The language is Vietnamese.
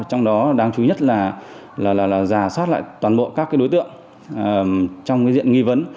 trong đó đáng chú ý nhất là giả soát lại toàn bộ các đối tượng trong diện nghi vấn